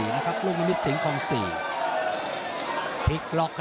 หรือว่าผู้สุดท้ายมีสิงคลอยวิทยาหมูสะพานใหม่